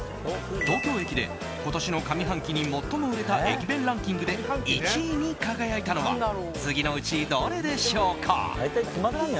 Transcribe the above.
東京駅で今年の上半期に最も売れた駅弁ランキングで１位に輝いたのは次のうちどれでしょうか？